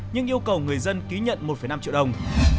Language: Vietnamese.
nhưng yêu cầu người dân ký nhận một năm triệu đồng